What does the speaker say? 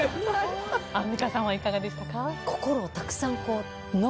アンミカさんはいかがでしたか？